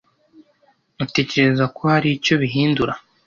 Utekereza ko hari icyo bihindura?